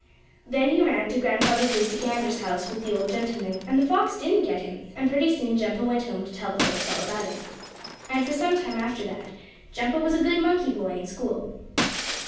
Then he ran to Grandfather Goosey Gander's house with the old gentleman, and the fox didn't get him, and pretty soon Jumpo went home to tell the folks all about it. And for some time after that Jumpo was a good monkey boy in school.